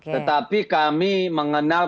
tetapi kami mengenal